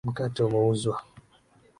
Mkate umeuzwa.